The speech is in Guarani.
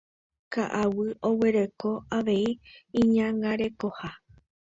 Ka'aguy oguereko avei iñangarekoha.